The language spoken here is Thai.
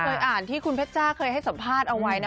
เคยอ่านที่คุณเพชจ้าเคยให้สัมภาษณ์เอาไว้นะ